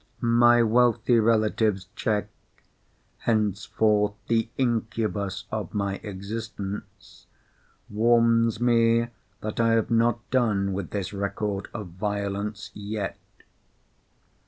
My wealthy relative's cheque—henceforth, the incubus of my existence—warns me that I have not done with this record of violence yet.